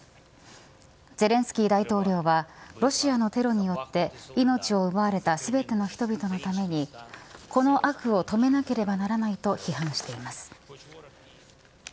ゼレンスキー大統領はロシアのテロによって命を奪われた全ての人々のためにこの悪を止めなければならないと批判しています。